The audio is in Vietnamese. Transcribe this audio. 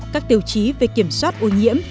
các tiêu chí về kiểm soát ô nhiễm